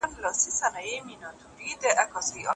پخوا به ښه وو که ریا وه که تزوېر، ښکاره وو